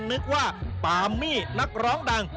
นึกว่าปามี่นักร้องดัง